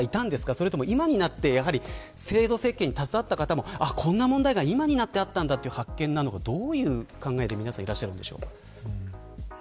それとも今になって制度設計に携わった方もこんな問題があったんだという発見なのかどういう考えで皆さんいらっしゃるんでしょうか。